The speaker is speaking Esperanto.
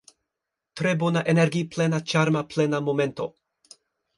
Tre bona energi-plena ĉarma plena momento